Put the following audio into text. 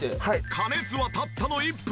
加熱はたったの１分。